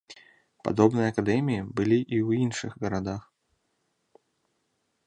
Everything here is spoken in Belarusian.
Падобныя акадэміі былі і ў іншых гарадах.